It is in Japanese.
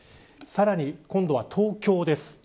さらに今度は東京です。